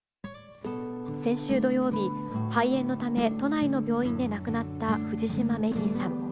先週土曜日、肺炎のため、都内の病院で亡くなった藤島メリーさん。